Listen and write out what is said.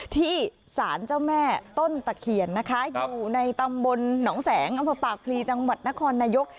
ที่สารเจ้าแม่ต้นตะเคียนนะคะอยู่ในตำบลหนองแสงอำเภอปากพลีจังหวัดนครนายก